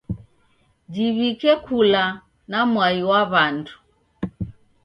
Jiwike kula na mwai wa w'andu.